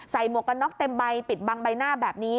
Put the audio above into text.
หมวกกันน็อกเต็มใบปิดบังใบหน้าแบบนี้